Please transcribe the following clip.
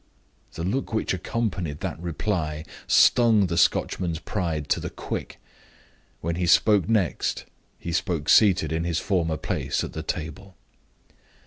The look which accompanied that reply stung the Scotchman's pride to the quick. When he spoke next, he spoke seated in his former place at the table.